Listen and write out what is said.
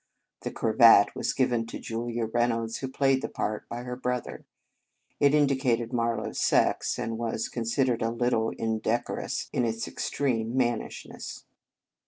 The cravat was given to Julia Reynolds, who played the part, by her brother. It indicated Marlow s sex, and was considered a little indecorous in its ex treme mannishness.